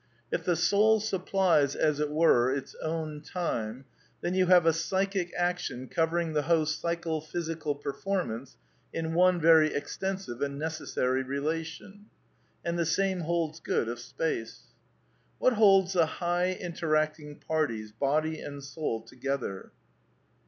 *^ If the soul supplies, as it were, its own time, then you have a psychic action covering the whole psycho physical performance in one very extensive and necessary relation. And the same holds good of space. What holds the high interacting parties, body and soul, together?